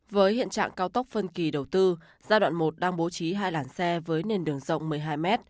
với hiện trạng cao tốc phân kỳ đầu tư giai đoạn một đang bố trí hai làn xe với nền đường rộng một mươi hai m